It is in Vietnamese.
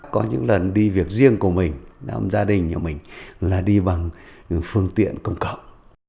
có những lần đi việc riêng của mình làm gia đình nhà mình là đi bằng phương tiện công cộng